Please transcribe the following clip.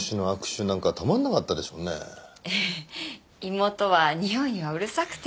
妹はにおいにはうるさくて。